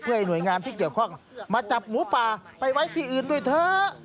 เพื่อให้หน่วยงานที่เกี่ยวข้องมาจับหมูป่าไปไว้ที่อื่นด้วยเถอะ